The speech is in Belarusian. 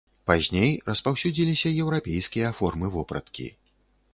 Пазней распаўсюдзіліся еўрапейскія формы вопраткі.